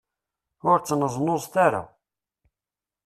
Ur ttneẓnuẓet ara.